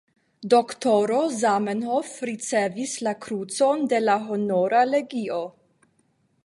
Doktoro Zamenhof ricevis la krucon de la Honora legio.